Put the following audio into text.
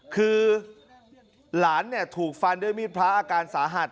คือหลานถูกฟันด้วยมีดพระอาการสาหัส